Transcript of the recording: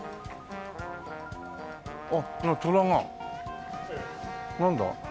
あっトラがなんだ？